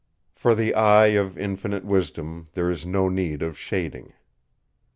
For the eye of infinite wisdom there is no need of shading.